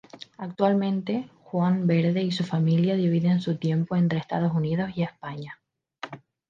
Actualmente, Juan Verde y su familia dividen su tiempo entre Estados Unidos y España.